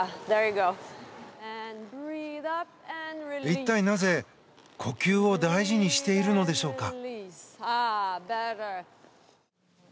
一体なぜ、呼吸を大事にしているんでしょうか。